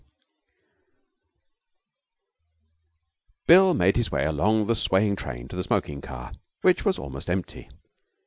25 Bill made his way along the swaying train to the smoking car, which was almost empty.